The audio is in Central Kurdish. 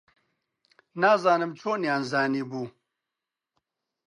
نازانم چۆنیان زانیبوو.